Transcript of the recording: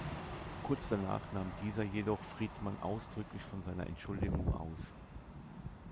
Kurz danach nahm dieser jedoch Friedman ausdrücklich von seiner Entschuldigung aus.